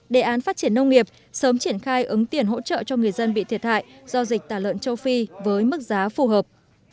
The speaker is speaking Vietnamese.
đề án phát triển nông nghiệp sớm triển khai ứng tiền hỗ trợ cho người dân bị thiệt hại do dịch tả lợn châu phi với mức giá phù hợp